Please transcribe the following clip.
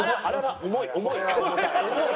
重い重い。